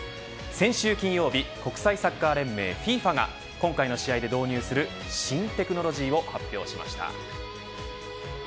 先週金曜日国際サッカー連盟ＦＩＦＡが今回の試合で導入する新テクノロジーを発表しました。